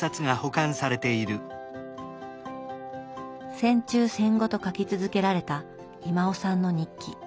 戦中戦後と書き続けられた威馬雄さんの日記。